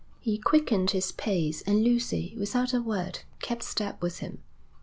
He quickened his pace, and Lucy, without a word, kept step with him.